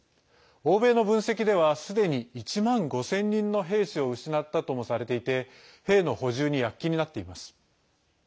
欧米の分析ではすでに１万５０００人の兵士を失ったともされていて兵の補充に躍起になっています。